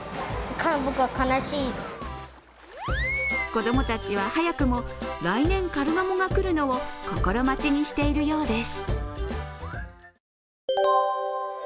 子供たちは早くも、来年カルガモが来るのを心待ちにしているようです。